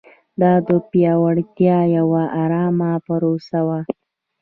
دا د پیاوړتیا یوه ارامه پروسه وه.